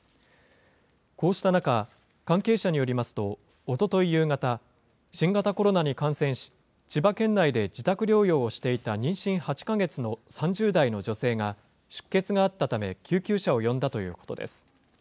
こうした中、関係者によりますと、おととい夕方、新型コロナに感染し、千葉県内で自宅療養をしていた妊娠８か月の３０代の女性が、出血があったため救急車を呼んだということです。